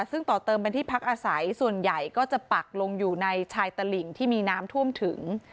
ซึ่งต่อเติมเป็นที่พักอาศัยส่วนใหญ่ก็จะปักลงอยู่ในชายตลิ่งที่มีน้ำท่วมถึง